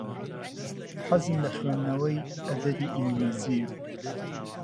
حەزم لە خوێندنەوەی ئەدەبی ئینگلیزییە.